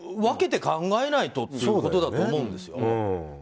分けて考えないとってことだと思うんですよ。